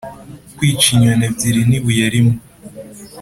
kwica inyoni ebyiri n'ibuye rimwe